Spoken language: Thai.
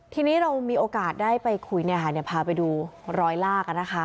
ทีนี้เรามีโอกาสได้ไปคุยเนี่ยพาไปดูรอยลากกันนะคะ